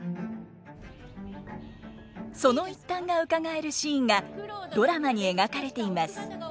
その一端がうかがえるシーンがドラマに描かれています。